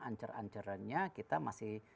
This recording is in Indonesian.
ancar ancaranya kita masih